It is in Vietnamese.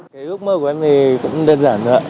cái ước mơ của em thì cũng đơn giản rồi ạ